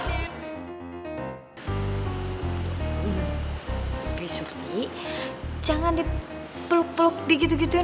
ibu surti jangan dipeluk peluk di gitu gituin